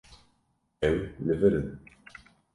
Ew li vir in.